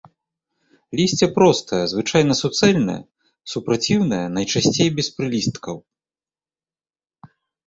Лісце простае, звычайна суцэльнае, супраціўнае, найчасцей без прылісткаў.